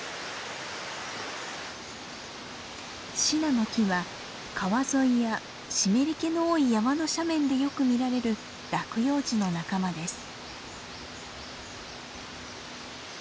シナノキは川沿いや湿り気の多い山の斜面でよく見られる落葉樹の仲間です。